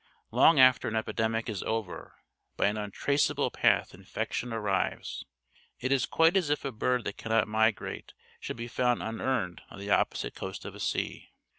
Long after an epidemic is over, by an untraceable path infection arrives. It is quite as if a bird that cannot migrate should be found unearned on the opposite coast of a sea.